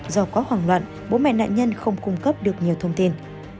do có hoảng loạn bố mẹ nạn nhân không cung cấp được nhiều thông tin